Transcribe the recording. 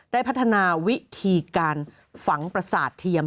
ได้พัฒนาวิธีการฝังประสาทเทียม